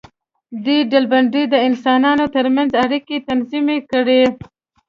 دې ډلبندیو د انسانانو تر منځ اړیکې تنظیم کړې.